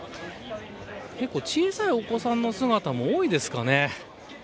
結構小さいお子さんの姿も多いですかね。